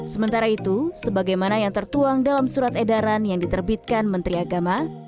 sementara itu sebagaimana yang tertuang dalam surat edaran yang diterbitkan menteri agama